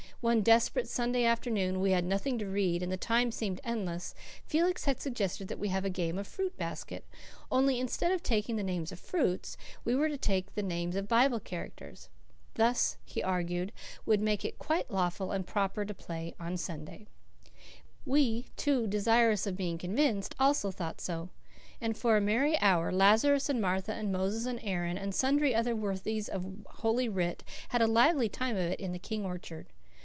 One desperate Sunday afternoon, when we had nothing to read and the time seemed endless, Felix had suggested that we have a game of fruit basket; only instead of taking the names of fruits, we were to take the names of Bible characters. This, he argued, would make it quite lawful and proper to play on Sunday. We, too desirous of being convinced, also thought so; and for a merry hour Lazarus and Martha and Moses and Aaron and sundry other worthies of Holy Writ had a lively time of it in the King orchard.